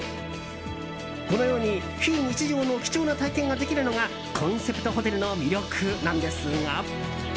このように非日常の貴重な体験ができるのがコンセプトホテルの魅力なんですが。